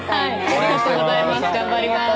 ありがとうございます。